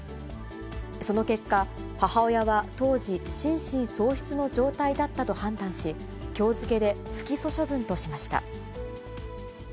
その結果、母親は当時、心神喪失の状態だったと判断し、きょう付けで不起訴処分としました。